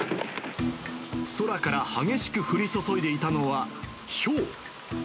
空から激しく降り注いでいたのはひょう。